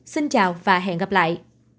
xin chào và hẹn gặp lại